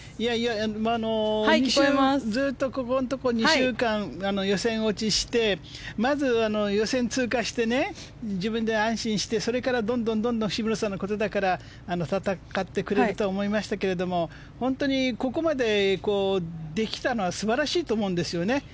ずっと、ここのところ２週間予選落ちしてまず、予選通過して自分で安心してそれからどんどん渋野さんのことだから戦ってくれると思いましたけれど本当に、ここまでできたのは素晴らしいと思うんですよね。